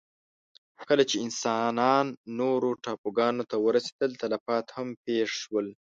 کله چې انسانان نورو ټاپوګانو ته ورسېدل، تلفات هم پېښ شول.